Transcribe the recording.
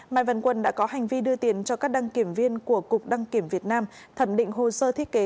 mai văn quân đã có hành vi đưa tiền cho các đăng kiểm viên của cục đăng kiểm việt nam thẩm định hồ sơ thiết kế